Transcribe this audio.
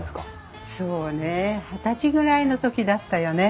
そうねえ二十歳ぐらいの時だったよね？